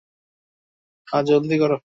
হ্যাঁ, জলদি কর।